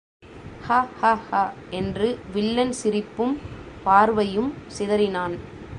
ஹ ஹ ஹ என்று வில்லன் சிரிப்பும் பார்வையும் சிதறினான்.